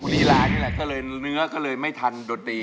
ลีลานี่แหละก็เลยเนื้อก็เลยไม่ทันโดดดี